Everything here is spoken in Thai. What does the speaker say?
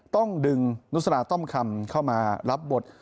ต้องดึงนุษราต้อมคำเข้ามารับบท